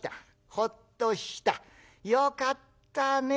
「ほっとした？よかったねえ。